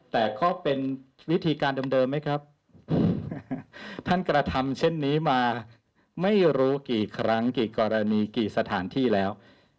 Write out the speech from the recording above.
ท่านกระทำเช่นนี้มาไม่รู้กี่ครั้งกี่กรณีกี่สถานที่แล้ว